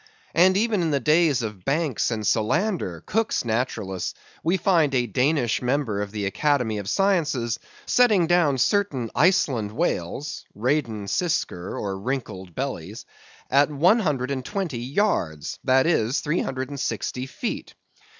And even in the days of Banks and Solander, Cooke's naturalists, we find a Danish member of the Academy of Sciences setting down certain Iceland Whales (reydan siskur, or Wrinkled Bellies) at one hundred and twenty yards; that is, three hundred and sixty feet.